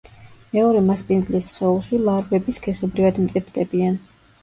მეორე „მასპინძლის“ სხეულში ლარვები სქესობრივად მწიფდებიან.